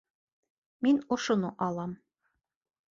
Мин ошоно алам